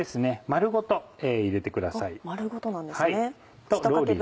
丸ごとなんですね。